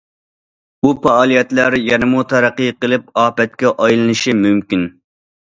بۇ پائالىيەتلەر يەنىمۇ تەرەققىي قىلىپ، ئاپەتكە ئايلىنىشى مۇمكىن.